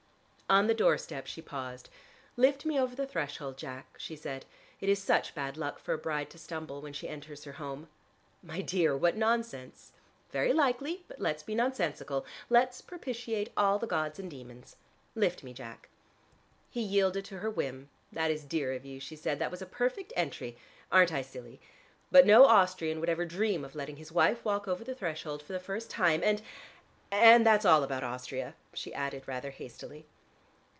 On the doorstep she paused. "Lift me over the threshold, Jack," she said; "it is such bad luck for a bride to stumble when she enters her home." "My dear, what nonsense." "Very likely, but let's be nonsensical. Let us propitiate all the gods and demons. Lift me, Jack." He yielded to her whim. "That is dear of you," she said. "That was a perfect entry. Aren't I silly? But no Austrian would ever dream of letting his wife walk over the threshold for the first time. And and that's all about Austria," she added rather hastily.